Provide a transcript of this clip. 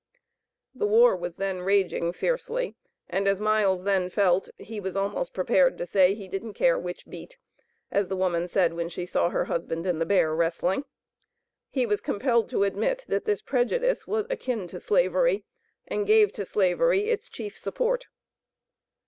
The war was then raging fiercely, and as Miles then felt, he was almost prepared to say, he didn't care which beat, as the woman said, when she saw her husband and the bear wrestling. He was compelled to admit that this prejudice was akin to slavery, and gave to slavery its chief support.